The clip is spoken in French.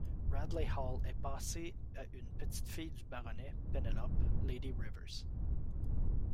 Radley Hall est passé à une petite-fille du baronnet, Penelope, Lady Rivers.